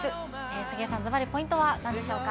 杉江さん、ずばりポイントはなんでしょうか。